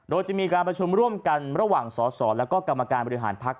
โดยจะมีการประชุมร่วมกันระหว่างสอสอและก็กรรมการบริหารพักษ